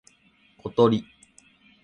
ことり